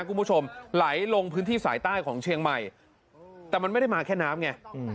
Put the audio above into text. คุณผู้ชมไหลลงพื้นที่สายใต้ของเชียงใหม่แต่มันไม่ได้มาแค่น้ำไง